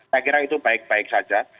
saya kira itu baik baik saja